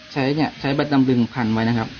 ใช้เนี่ยใช้บัตรดำรึงพันไว้นะครับ